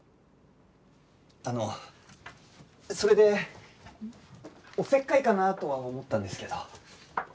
あのそれでおせっかいかなとは思ったんですけど。